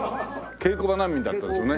稽古場難民だったんですよね。